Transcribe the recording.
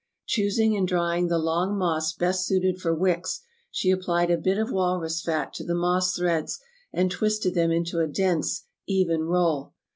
Choosing and drying ^he long moss best suited for wicks, she applied a bit ^f walrus fat to the moss threads, and twisted them if}tx> a dense, even roll.